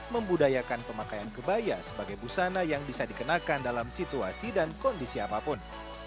membudayakan pemakaian kebaya sebagai busana yang bisa dikenakan dalam situasi dan kondisi apapun